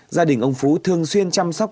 gia đình ông phú thường xuyên chăm sóc